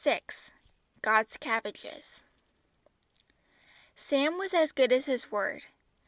VI "GOD'S CABBAGES" Sam was as good as his word.